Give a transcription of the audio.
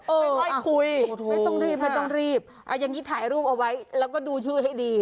ไหว้คุยไม่ต้องรีบไม่ต้องรีบเอาอย่างนี้ถ่ายรูปเอาไว้แล้วก็ดูชื่อให้ดี